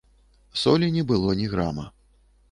Солі не было ні грама.